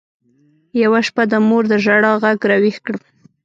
يوه شپه د مور د ژړا ږغ راويښ کړم.